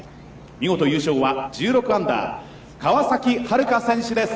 見事優勝は１６アンダー、川崎春花選手です。